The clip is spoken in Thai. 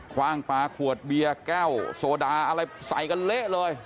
ว่างปลาขวดเบียร์แก้วโซดาอะไรใส่กันเละเลย